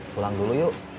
pulang dulu yuk